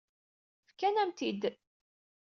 Fkan-am-t-id.